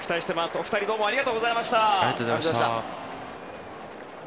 お二人、どうもありがとうございました。